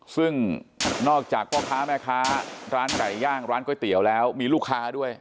ซึ่งนอกจากพ่อค้าแม่ค้าร้านไก่ย่างร้านก๋วยเตี๋ยวแล้วมีลูกค้าด้วย